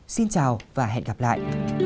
xin chào và hẹn gặp lại